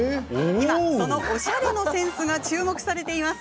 今、そのおしゃれのセンスが注目されています。